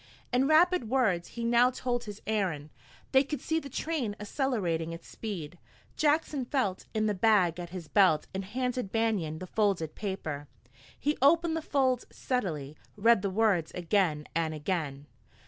In rapid words he now told his errand. They could see the train accelerating its speed. Jackson felt in the bag at his belt and handed Banion the folded paper. He opened the folds steadily, read the words again and again.